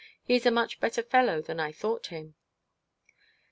He is a much better fellow than I thought him.'